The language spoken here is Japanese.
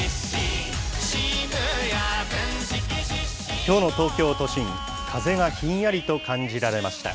きょうの東京都心、風がひんやりと感じられました。